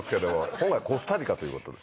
今回コスタリカということで。